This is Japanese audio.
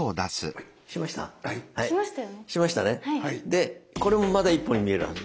でこれもまだ１本に見えるはず。